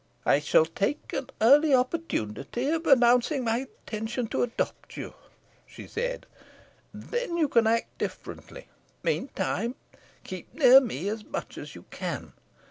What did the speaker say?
"I shall take an early opportunity of announcing my intention to adopt you," she said, "and then you can act differently. Meantime, keep near me as much as you can.